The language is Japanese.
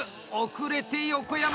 遅れて横山。